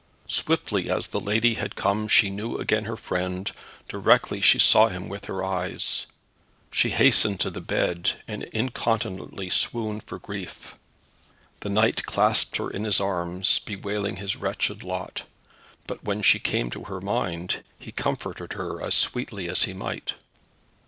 Swiftly as the lady had come she knew again her friend, directly she saw him with her eyes. She hastened to the bed, and incontinently swooned for grief. The knight clasped her in his arms, bewailing his wretched lot, but when she came to her mind, he comforted her as sweetly as he might.